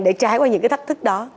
để trải qua những cái thách thức đó